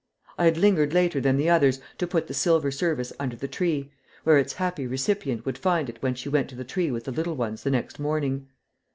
I had lingered later than the others to put the silver service under the tree, where its happy recipient would find it when she went to the tree with the little ones the next morning.